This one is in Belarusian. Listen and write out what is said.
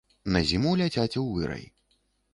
На зіму ляціць у вырай.